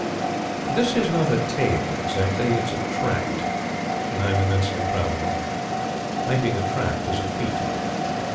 This is not a tale exactly. It is a Tract; and I am immensely proud of it. Making a Tract is a Feat.